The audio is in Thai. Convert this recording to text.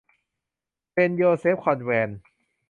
เซนต์โยเซฟคอนแวนต์